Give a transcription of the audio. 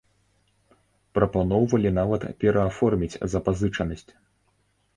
Прапаноўвалі нават перааформіць запазычанасць.